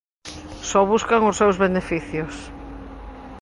Só buscan os seus beneficios.